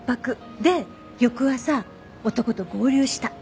で翌朝男と合流した。